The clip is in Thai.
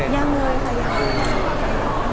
ยังไงค่ะยังไง